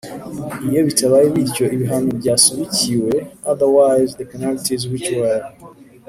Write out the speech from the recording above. Iyo bitabaye bityo ibihano byasubikiwe Otherwise the penalties which were